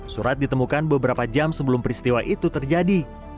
surat ditemukan beberapa jam sebelum peristiwa itu terjadi